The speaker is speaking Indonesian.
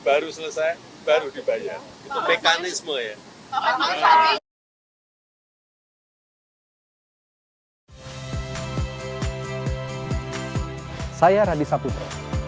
ada penagihan tadi tidak audit dulu